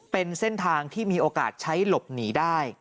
เป็นเส้นทางที่มีโอกาสใช้หลบหนีได้